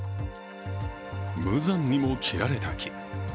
無残にも切られた木。